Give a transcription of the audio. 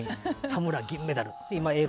田村、銀メダルって。